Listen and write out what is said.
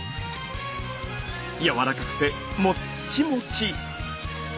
やわらかくてもっちもち。